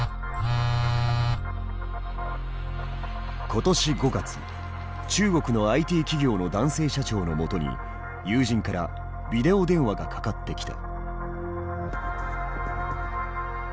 今年５月中国のＩＴ企業の男性社長のもとに友人からビデオ電話がかかってきた。